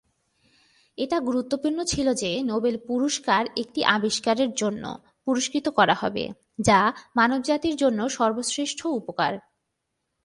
এটা গুরুত্বপূর্ণ ছিল যে নোবেল পুরস্কার একটি "আবিষ্কার" জন্য পুরস্কৃত করা হবে, যা "মানবজাতির জন্য সর্বশ্রেষ্ঠ উপকার"।